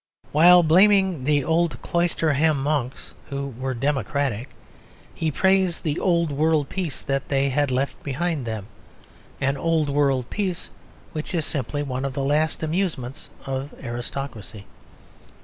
While blaming the old Cloisterham monks (who were democratic), he praised the old world peace that they had left behind them an old world peace which is simply one of the last amusements of aristocracy.